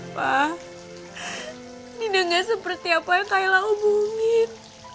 pak dina gak seperti apa yang kailah hubungin